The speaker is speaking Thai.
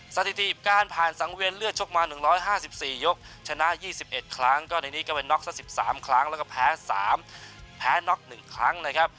สถิติการผ่านสังเวียนเลือดชกมา๑๕๔ยกชนะ๒๑ครั้งก็ในนี้ก็เป็นน็อกสัก๑๓ครั้งแล้วก็แพ้๓แพ้น็อก๑ครั้งนะครับ